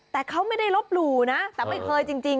แต่เขาไม่ได้ลบหลู่นะแต่ไม่เคยจริง